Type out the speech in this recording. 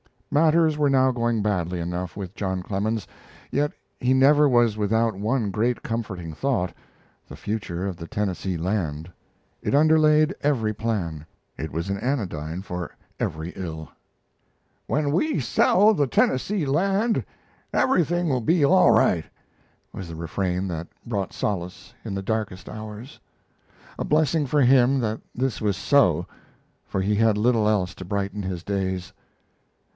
Matters were now going badly enough with John Clemens. Yet he never was without one great comforting thought the future of the Tennessee land. It underlaid every plan; it was an anodyne for every ill. "When we sell the Tennessee land everything will be all right," was the refrain that brought solace in the darkest hours. A blessing for him that this was so, for he had little else to brighten his days.